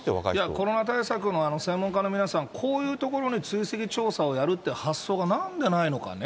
コロナ対策の専門家の皆さん、こういうところに追跡調査をやるって発想がなんでないのかね。